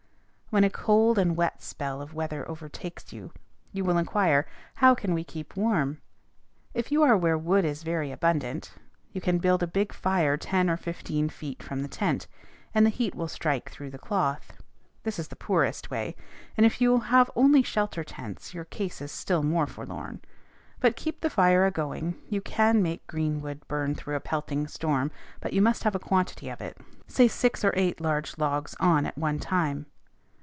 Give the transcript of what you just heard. When a cold and wet spell of weather overtakes you, you will inquire, "How can we keep warm?" If you are where wood is very abundant, you can build a big fire ten or fifteen feet from the tent, and the heat will strike through the cloth. This is the poorest way, and if you have only shelter tents your case is still more forlorn. But keep the fire a going: you can make green wood burn through a pelting storm, but you must have a quantity of it say six or eight large logs on at one time.